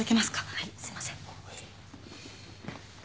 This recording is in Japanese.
すいません。